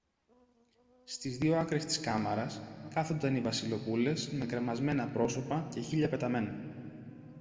στις δυο άκρες της κάμαρας, κάθονταν οι Βασιλοπούλες με κρεμασμένα πρόσωπα και χείλια πεταμένα